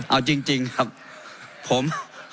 เอาจริงครับผม